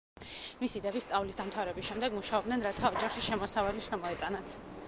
მისი დები სწავლის დამთავრების შემდეგ, მუშაობდნენ, რათა ოჯახში შემოსავალი შემოეტანათ.